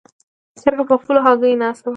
چرګه په خپلو هګیو ناستې وه.